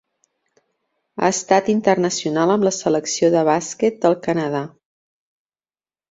Ha estat internacional amb la selecció de bàsquet del Canadà.